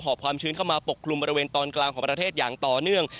อบความชื้นเข้ามาปกกลุ่มบริเวณตอนกลางของประเทศอย่างต่อเนื่อง